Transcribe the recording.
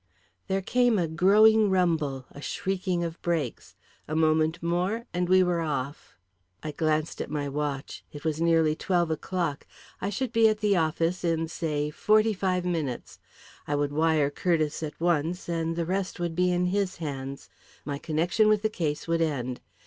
There came a growing rumble, a shrieking of brakes. A moment more and we were off. I glanced at my watch. It was nearly twelve o'clock. I should be at the office in, say, forty five minutes. I would wire Curtiss at once, and the rest would be in his hands. My connection with the case would end.